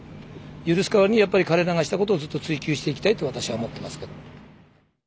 許す代わりにやっぱり彼らがしたことをずっと追及していきたいと私は思ってますけども。